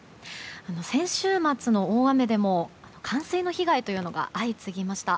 先週末の大雨でも冠水の被害が相次ぎました。